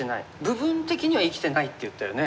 部分的には生きてないって言ったよね？